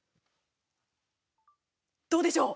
どうでしょう？